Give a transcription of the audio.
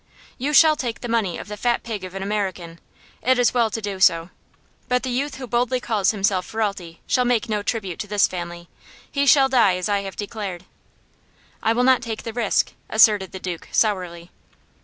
"You shall take the money of the fat pig of an American; it is well to do so. But the youth who boldly calls himself Ferralti shall make no tribute to this family. He shall die as I have declared." "I will not take the risk," asserted the Duke, sourly.